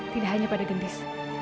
tidak hanya pada gendis